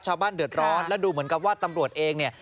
ชาวบ้านเดือดร้อนและดูเหมือนกับว่าตำรวจเองเนี่ย